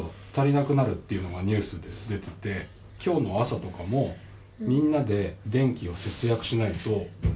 足りなくなるっていうのが、ニュース出てて、きょうの朝とかも、みんなで電気を節約しないと。